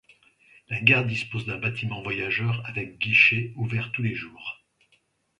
La gare dispose d'un bâtiment voyageurs, avec guichets, ouvert tous les jours.